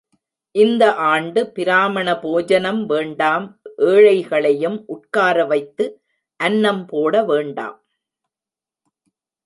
இந்த ஆண்டு பிராமண போஜனம் வேண்டாம் ஏழைகளையும் உட்கார வைத்து அன்னம் போட வேண்டாம்.